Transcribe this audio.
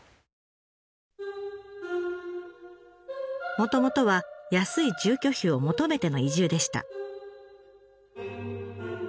もともとは安い住居費を求めての移住でした。